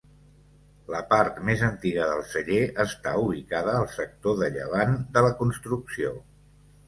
La part més antiga del celler està ubicada al sector de llevant de la construcció.